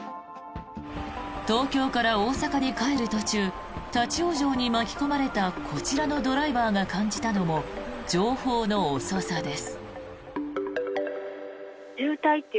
東京から大阪に帰る途中立ち往生に巻き込まれたこちらのドライバーが感じたのも情報の遅さです。